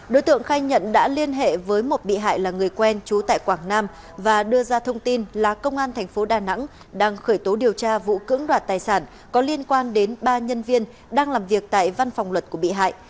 đối tượng khai nhận đã liên hệ với một bị hại là người quen chú tại quảng nam và đưa ra thông tin là công an thành phố đà nẵng đang khởi tố điều tra vụ cưỡng đoạt tài sản có liên quan đến ba nhân viên đang làm việc tại văn phòng luật của bị hại